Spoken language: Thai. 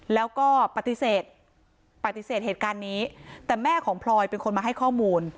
แล้วก็ปฏิเสธปฏิเสธเหตุการณ์นี้แต่แม่ของพลอยเป็นคนมาให้ข้อมูล